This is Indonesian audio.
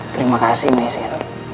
terima kasih mesin